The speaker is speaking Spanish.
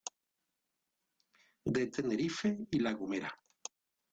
De Tenerife y La Gomera.